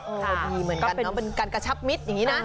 ดีเหมือนกันเนอะเป็นการกระชับมิตรอย่างนี้นะ